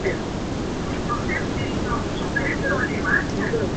Su familia se trasladó a Londres dónde Gray estudió medicina.